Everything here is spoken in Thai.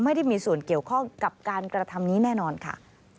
ไม่ได้มีส่วนเกี่ยวข้องกับการกระทำนี้แน่นอนค่ะ